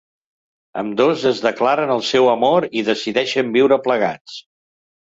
Ambdós es declaren el seu amor i decideixen viure plegats.